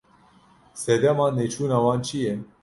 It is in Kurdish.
Sedema neçûna wan çi ye?